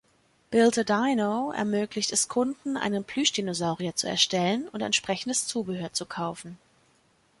Build-A-Dino ermöglicht es Kunden, einen Plüschdinosaurier zu erstellen und entsprechendes Zubehör zu kaufen.